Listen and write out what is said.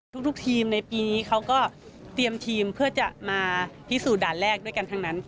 ทุกทีมในปีนี้เขาก็เตรียมทีมเพื่อจะมาพิสูจน์ด่านแรกด้วยกันทั้งนั้น